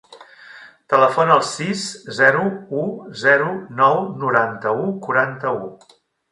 Telefona al sis, zero, u, zero, nou, noranta-u, quaranta-u.